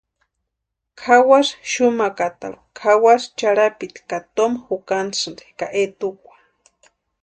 Kʼawasï xumakatarhu kʼawasï charhapiti ka toma jukasïnti ka etukwa.